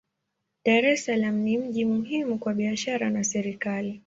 Dar es Salaam ni mji muhimu kwa biashara na serikali.